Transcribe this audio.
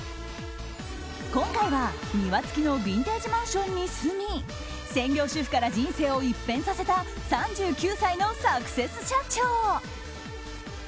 今回は庭付きのビンテージマンションに住み専業主婦から人生を一変させた３９歳のサクセス社長。